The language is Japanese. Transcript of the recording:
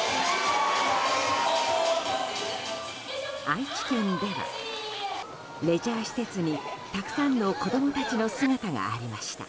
愛知県ではレジャー施設にたくさんの子供たちの姿がありました。